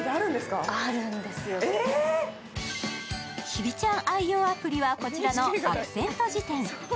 日比ちゃん愛用アプリは、こちらのアクセント辞典。